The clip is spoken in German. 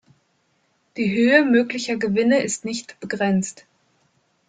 Die Höhe möglicher Gewinne ist nicht begrenzt.